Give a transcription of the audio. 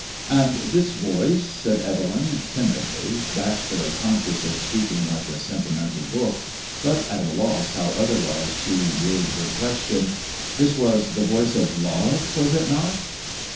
''And this voice," said Evelyn, timidly, bashfully conscious of speaking like a sentimental book, but at a loss how otherwise to word her question — ''this was the voice of love, was it not